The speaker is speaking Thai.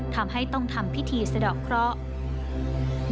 ทำให้ต้องทำพิธีสะดอกเคราะห์